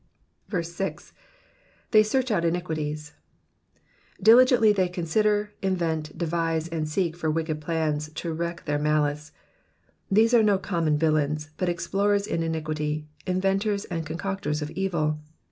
6. ^''They search out iniquities.'''' Diligently they consider, invent, devise, and seek for wicked plans to wreak their malice. These are no common villains, but explorers in iniquity, inventors and concoctors of evil.